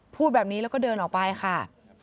พูดแบบนี้แล้วก็เดินออกไปค่ะ